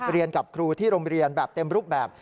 เรียนกับครูที่โรงเรียนแบบเต็มรูปแบบ